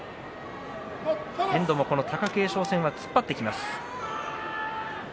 遠藤も貴景勝戦は突っ張ってきます。